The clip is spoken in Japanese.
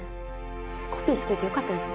コピーしといて良かったですね。